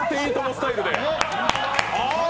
スタイルで。